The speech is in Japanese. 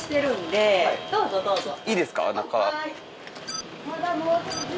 はい。